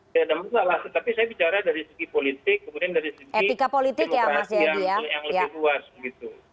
tidak ada masalah tetapi saya bicara dari segi politik kemudian dari segi demokrasi yang lebih luas begitu